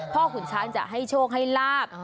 ขุนช้างจะให้โชคให้ลาบ